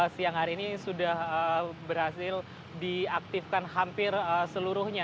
siang hari ini sudah berhasil diaktifkan hampir seluruhnya